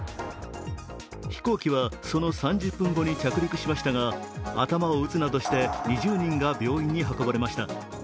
飛行機は、その３０分後に着陸しましたが頭を打つなどして２０人が病院に運ばれました。